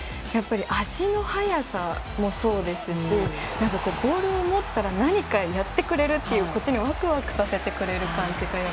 足の速さもそうですしボールを持ったら何かやってくれるっていうワクワクさせてくれる感じが。